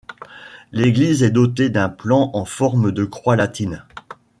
L'église est dotée d'un plan en forme de croix latine.